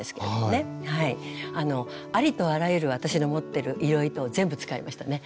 ありとあらゆる私の持ってる色糸を全部使いましたね。